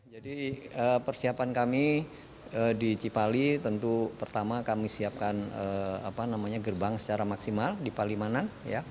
persiapan kami di cipali tentu pertama kami siapkan gerbang secara maksimal di palimanan